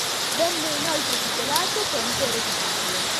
Venne inoltre titolato Conte ereditario.